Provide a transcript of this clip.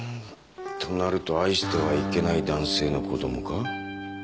となると愛してはいけない男性の子供か？